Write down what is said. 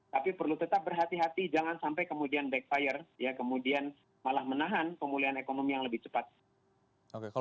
tapi perlu tetap berhati hati jangan sampai kemudian backfire kemudian malah menahan pemulihan ekonomi yang lebih cepat